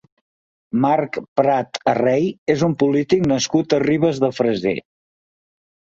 Marc Prat Arrey és un polític nascut a Ribes de Freser.